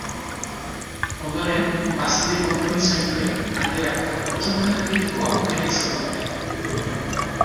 Ondoren, bazkide konpromisarioek galderak eta proposamenak egiteko aukera izango dute.